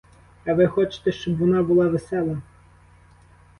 А ви хочете, щоб вона була весела.